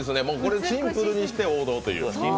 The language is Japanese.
シンプルにして王道という。